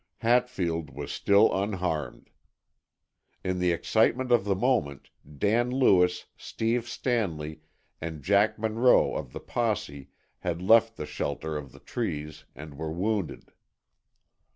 Hatfield was still unharmed. In the excitement of the moment, Dan Lewis, Steve Stanley and Jack Monroe of the posse had left the shelter of the trees and were wounded.